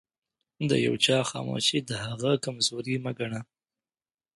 د يوچا خاموښي دهغه کمزوري مه ګنه